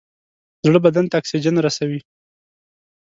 زړه بدن ته اکسیجن رسوي.